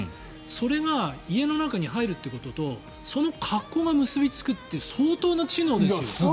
それが家の中に入るってこととその格好が結びつくっていう相当な知能ですよ。